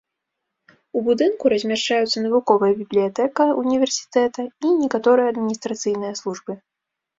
У будынку размяшчаюцца навуковая бібліятэка ўніверсітэта і некаторыя адміністрацыйныя службы.